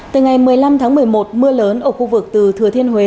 từ ngày một mươi năm tháng một mươi một mưa lớn ở khu vực từ thừa thiên huế